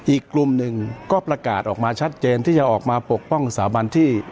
อีกกลุ่มหนึ่งก็ประกาศออกมาชัดเจนที่จะออกมาปกป้องสถาบันที่